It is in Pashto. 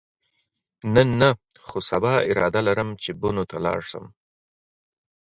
نن نه، خو سبا اراده لرم چې بنو ته لاړ شم.